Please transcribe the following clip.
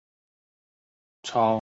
超擢内阁侍读学士。